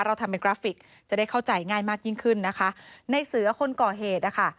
ทำเป็นกราฟิกจะได้เข้าใจง่ายมากยิ่งขึ้นนะคะในเสือคนก่อเหตุนะคะ